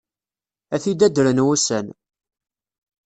Ad t-id-addren wussan!